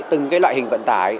từng loại hình vận tải